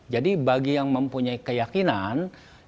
jadi bagi yang mempunyai keyakinan